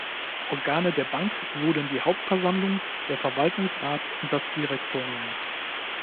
Organe der Bank wurden die Hauptversammlung, der Verwaltungsrat und das Direktorium.